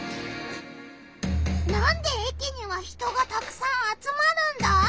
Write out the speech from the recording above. なんで駅には人がたくさん集まるんだ？